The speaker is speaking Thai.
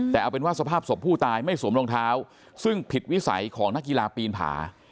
แต่เอาเป็นว่าสภาพศพผู้ตายไม่สวมรองเท้าซึ่งผิดวิสัยของนักกีฬาปีนผา